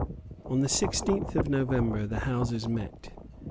On the sixteenth of November the Houses met.